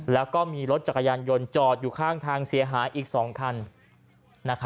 แล้วก็มีรถจักรยานยนต์จอดอยู่ข้างทางเสียหายอีก๒คัน